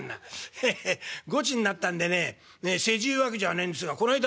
「ヘッヘッごちになったんでね世辞言うわけじゃねえんですがこないだ